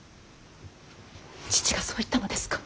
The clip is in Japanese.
父がそう言ったのですか。